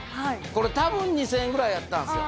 これ、たぶん２０００円ぐらいやったんですよ。